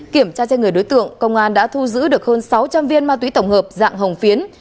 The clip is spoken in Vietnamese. kiểm tra trên người đối tượng công an đã thu giữ được hơn sáu trăm linh viên ma túy tổng hợp dạng hồng phiến